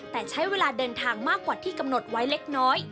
แต่ใช้เวลาเดินทางมากกว่าที่กำหนดไว้เล็กน้อย